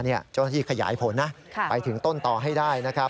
เจ้าหน้าที่ขยายผลนะไปถึงต้นต่อให้ได้นะครับ